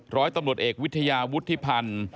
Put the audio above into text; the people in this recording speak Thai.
ร้อยตำรวจเอกวิทยาวุฒิพันธ์